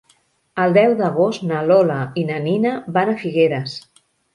El deu d'agost na Lola i na Nina van a Figueres.